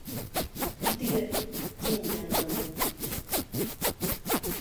Китегеҙ, тим янынан!